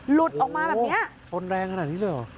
หลุดออกมาแบบนี้ชนแรงขนาดนี้เลยเหรอ